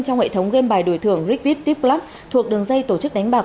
trong hệ thống game bài đổi thường rigvip tipclub thuộc đường dây tổ chức đánh bạc